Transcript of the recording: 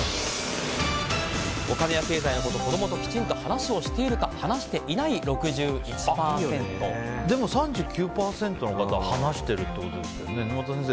お金や経済のこと子供ときちんと話しているかでも３９％の方は話しているということですが沼田先生